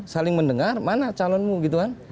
saling mendengar mana calonmu gitu kan